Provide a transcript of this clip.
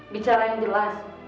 bicara yang jelas